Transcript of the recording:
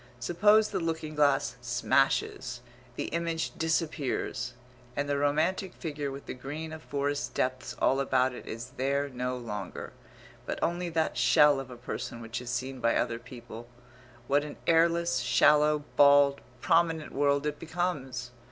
Suppose the looking glass smashes, the image disappears, and the romantic figure with the green of forest depths all about it is there no longer, but only that shell of a person which is seen by other people what an airless, shallow, bald, prominent world it becomes!